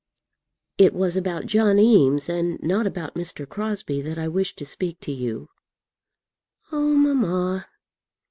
"It was about John Eames, and not about Mr. Crosbie, that I wished to speak to you." "Oh, mamma!"